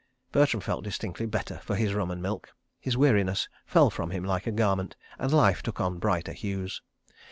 Bertram felt distinctly better for his rum and milk. His weariness fell from him like a garment, and life took on brighter hues.